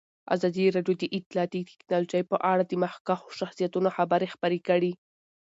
ازادي راډیو د اطلاعاتی تکنالوژي په اړه د مخکښو شخصیتونو خبرې خپرې کړي.